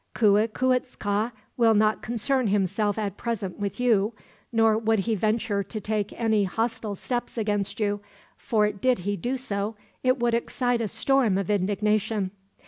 Cuicuitzca will not concern himself at present with you, nor would he venture to take any hostile steps against you; for did he do so, it would excite a storm of indignation.